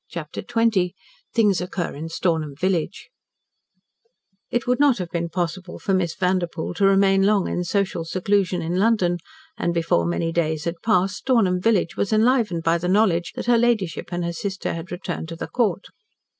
CHAPTER XX THINGS OCCUR IN STORNHAM VILLAGE It would not have been possible for Miss Vanderpoel to remain long in social seclusion in London, and, before many days had passed, Stornham village was enlivened by the knowledge that her ladyship and her sister had returned to the Court.